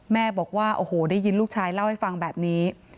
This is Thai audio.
แม่บอกว่าโอ้โหได้ยินลูกชายเล่าให้ฟังแบบนี้